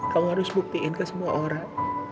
kamu harus buktiin ke semua orang